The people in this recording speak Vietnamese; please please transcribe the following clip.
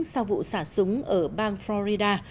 sau vụ xả súng ở bang florida